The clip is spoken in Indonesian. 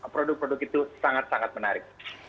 produk produk itu sangat sangat menarik